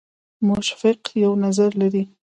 مشفق یو نظر لري.